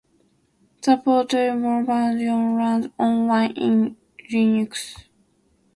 The portable version runs on Wine in Linux.